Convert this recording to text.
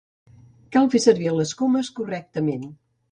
Cal fer servir les comes correctament.